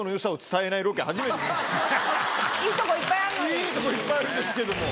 いいとこいっぱいあるんですけども。